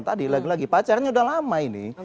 tadi lagi lagi pacarnya udah lama ini